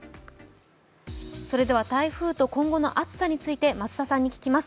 それでは台風と今後の暑さについて増田さんに聞きます。